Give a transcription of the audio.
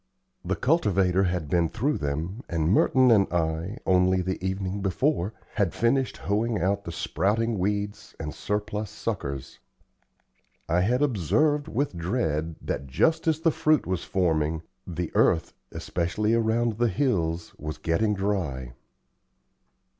The cultivator had been through them, and Merton and I, only the evening before, had finished hoeing out the sprouting weeds and surplus suckers. I had observed, with dread, that just as the fruit was forming, the earth, especially around the hills, was getting dry.